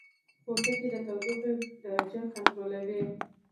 پوټکی د تودوخې درجه کنټرولوي